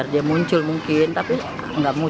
sehingga mem terminar untuk mencuci apapun